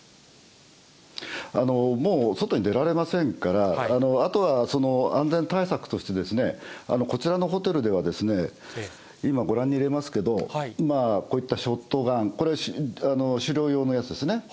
もう外に出られませんから、あとは安全対策として、こちらのホテルでは、今、ご覧に入れますけど、こういったショットガン、これ、狩猟用のやつですね。